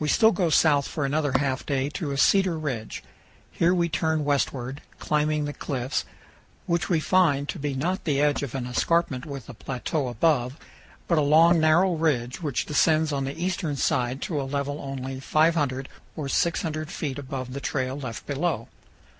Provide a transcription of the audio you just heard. We still go south for another half day to a cedar ridge; here we turn westward, climbing the cliffs, which we find to be not the edge of an escarpment with a plateau above, but a long narrow ridge which descends on the eastern side to a level only 500 or 600 feet above the trail left below.